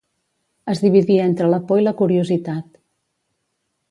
Es dividia entre la por i la curiositat.